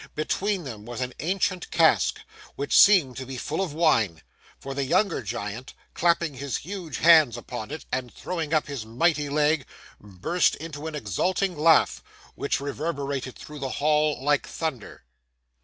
Between them was an ancient cask, which seemed to be full of wine; for the younger Giant, clapping his huge hand upon it, and throwing up his mighty leg, burst into an exulting laugh, which reverberated through the hall like thunder.